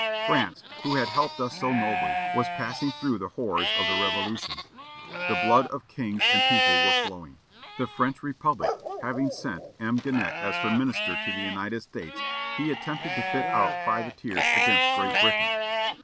France, who had helped us so nobly, was passing through the horrors of the Revolution. The blood of kings and people was flowing. The French Republic having sent M. Genet as her minister to the United States, he attempted to fit out privateers against Great Britain.